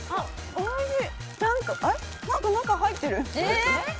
おいしい。